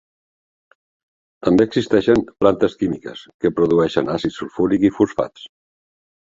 També existeixen plantes químiques que produeixen àcid sulfúric i fosfats.